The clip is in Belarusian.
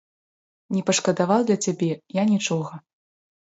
Не пашкадаваў для цябе я нічога.